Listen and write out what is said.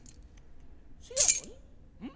せやのにん？